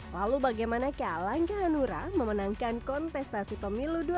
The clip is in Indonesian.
lalu bagaimana kealangnya hanura memenangkan kontestasi pemilu dua ribu dua puluh empat